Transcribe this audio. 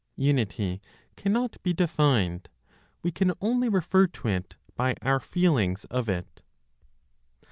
UNITY CANNOT BE DEFINED; WE CAN ONLY REFER TO IT BY OUR FEELINGS OF IT.